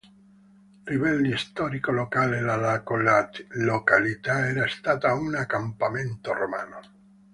Rivelli, storico locale, la località era stata un accampamento romano.